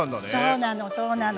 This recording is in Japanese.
そうなのそうなの。